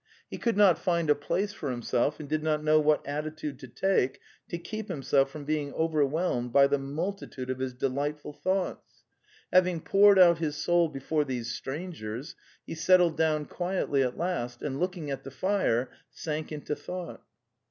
He could not find a place for himself, and did not know what attitude to take to keep himself from being overwhelmed by the multitude of his delightful thoughts. Having poured out his soul before these strangers, he settled down quietly at last, and, looking at the fire, sank into thought.